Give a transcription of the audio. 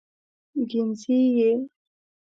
کيم ځي ئې